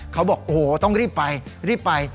เขาบอกโอ้โหต้องรีบไปรีบไป